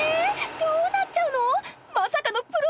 どうなっちゃうの！？